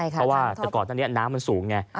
เพราะว่าแต่ก่อนตอนนี้น้ำมันสูงไง